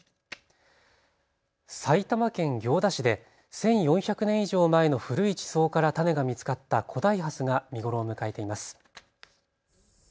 埼玉県行田市で１４００年以上前の古い地層から種が見つかった古代ハスが見頃を迎えています。